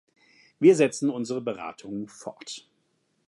Wir setzen unsere Beratungen fort.